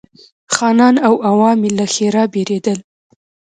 خانان او عوام یې له ښرا بېرېدل.